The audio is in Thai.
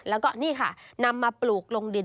แล้วก็นี่ค่ะนำมาปลูกลงดิน